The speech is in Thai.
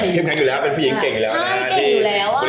เข้มแข็งอยู่แล้วเป็นผู้หญิงเก่งอยู่แล้วนะ